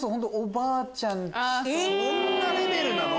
そんなレベルなの？